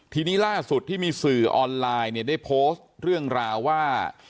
ทีนี้ล่าสุดที่มีสื่อออนไลน์เนี่ยได้โพสต์เรื่องราวว่า